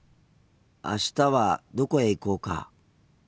あしたはどこへ行こうか？